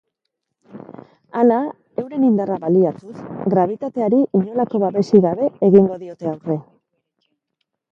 Hala, euren indarra baliatuz, grabitateari inolako babesik gabe egingo diote aurre.